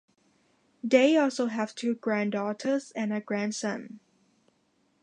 They also have two granddaughters and a grandson.